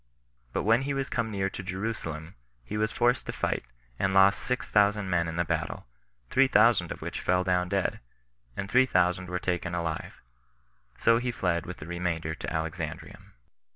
But when he was come near to Jerusalem, he was forced to fight, and lost six thousand men in the battle; three thousand of which fell down dead, and three thousand were taken alive; so he fled with the remainder to Alexandrium.